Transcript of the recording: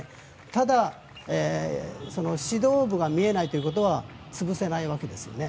ただ、指導部が見えないということは潰せないわけですよね。